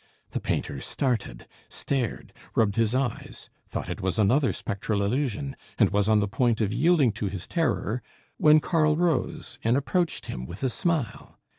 The painter started, stared, rubbed his eyes, thought it was another spectral illusion, and was on the point of yielding to his terror, when Karl rose, and approached him with a smile.